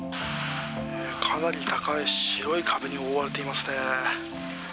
かなり高い白い壁に覆われていますね。